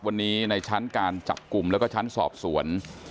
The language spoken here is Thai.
วันนี้ในชั้นการจับกลุ่มแล้วก็ชั้นสอบสวน